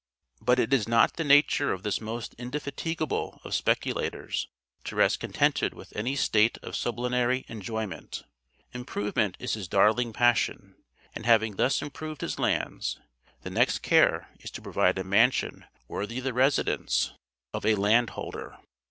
But it is not the nature of this most indefatigable of speculators to rest contented with any state of sublunary enjoyment; improvement is his darling passion, and having thus improved his lands, the next care is to provide a mansion worthy the residence of a landholder.